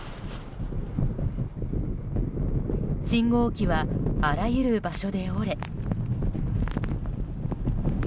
信号機はあらゆる場所で折れ。